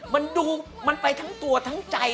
มันดูมันไปทั้งตัวทั้งใจ